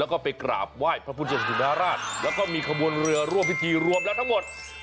แล้วก็ไปกราบไหว้พระพุทธราชแล้วก็มีขบวนเรือร่วมพิธีรวมแล้วทั้งหมด